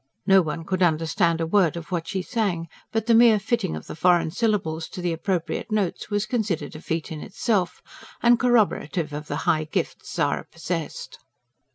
No one could understand a word of what she sang; but the mere fitting of the foreign syllables to the appropriate notes was considered a feat in itself, and corroborative of the high gifts Zara possessed.